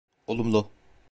Olumlu.